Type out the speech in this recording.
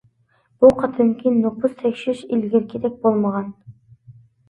بۇ قېتىمقى نوپۇس تەكشۈرۈش ئىلگىرىكىدەك بولمىغان.